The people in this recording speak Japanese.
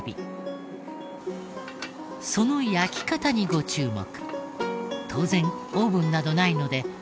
その焼き方にご注目。